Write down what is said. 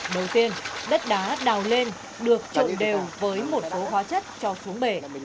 đầu tiên đất đá đào lên được trộn đều với một số hóa chất cho xuống bể